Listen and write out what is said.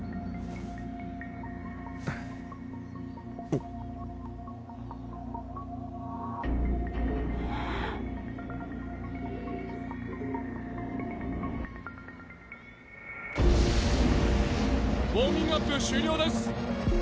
ウォーミングアップ終了です。